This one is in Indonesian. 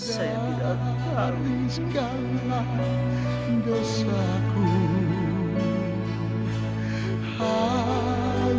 saya tidak tahu